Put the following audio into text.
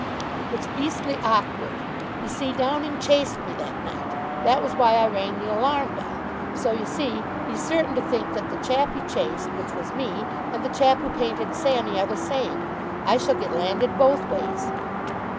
"It's beastly awkward. You see, Downing chased me that night. That was why I rang the alarm bell. So, you see, he's certain to think that the chap he chased, which was me, and the chap who painted Sammy, are the same. I shall get landed both ways."